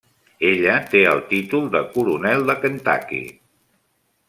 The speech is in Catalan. Ella té el títol de Coronel de Kentucky.